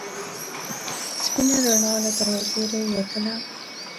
سپینه رڼا له دروازې راوتله.